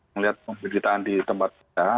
melihat pemberitaan di tempat kita